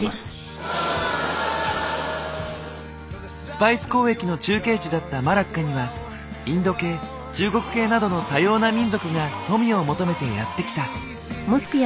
スパイス交易の中継地だったマラッカにはインド系中国系などの多様な民族が富を求めてやって来た。